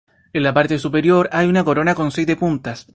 En la parte superior hay una corona con siete puntas.